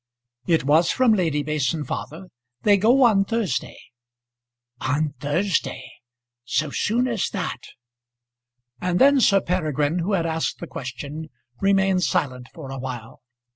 "It was from Lady Mason, father; they go on Thursday." "On Thursday; so soon as that." And then Sir Peregrine, who had asked the question, remained silent for a while.